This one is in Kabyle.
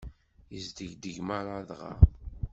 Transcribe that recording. Yesdegdeg merra adɣaɣ.